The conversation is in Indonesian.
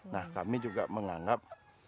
nah kami juga menganggap